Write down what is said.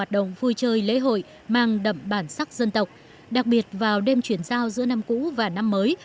hoạt động vui chơi lễ hội mang đậm bản sắc dân tộc đặc biệt vào đêm chuyển giao giữa năm cũ và năm mới